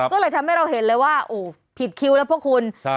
ก็เลยทำให้เราเห็นเลยว่าโอ้ผิดคิวแล้วพวกคุณ